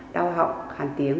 đau họng hàn tiếng